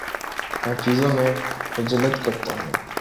میں چیزوں میں عجلت کرتا ہوں